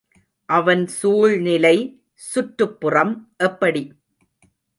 அவன் சூழ்நிலை சுற்றுப்புறம் எப்படி?